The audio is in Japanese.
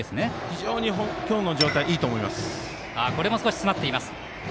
非常に今日の状態いいと思います。